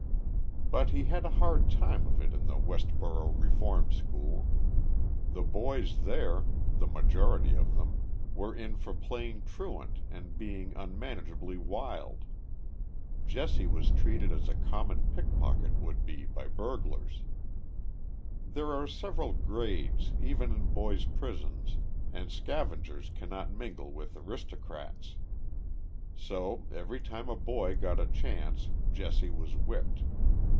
But lie had a hard time of it in the " CStb01 '° Eeforni Sch001 The boys there the majority of them were in for playing truant and being unmauagebly wild. Jesse was treated as a common pickpocket would be by burglars. There are several grades even in boy's prisons, and scaven gers cannot mingle with aristocrats. So every time a boy got a chance Jesse was whipped.